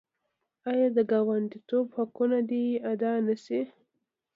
آیا د ګاونډیتوب حقونه دې ادا نشي؟